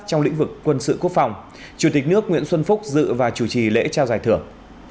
trong lĩnh vực quân sự quốc phòng chủ tịch nước nguyễn xuân phúc dự và chủ trì lễ trao giải thưởng